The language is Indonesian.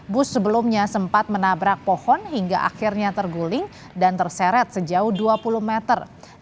bus sebelumnya sempat menabrak pohon hingga akhirnya terguling dan terseret sejauh dua puluh meter